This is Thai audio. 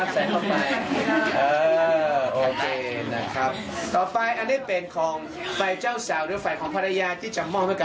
เชิญละครับการแต่งงานในวันนี้